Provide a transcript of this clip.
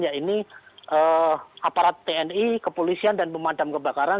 ya ini aparat tni kepolisian dan memadam kebakaran